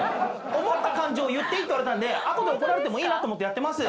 思った感情を言っていいっていわれたんで後で怒られてもいいなと思ってやってます。